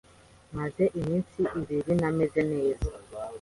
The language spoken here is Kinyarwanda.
Maze iminsi ibiri ntameze neza.